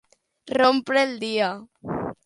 Rompre el dia.